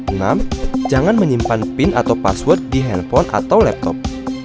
enam jangan menyimpan pin atau password di handphone atau laptop